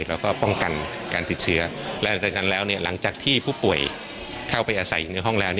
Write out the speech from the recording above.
แล้วก็ป้องกันการติดเชื้อและหลังจากตั้งแต่พวกผู้ป่วยเข้าไปอาศัยห้องแล้ว